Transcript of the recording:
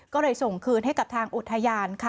ก็เลยส่งคืนให้กับทางอุทยานค่ะ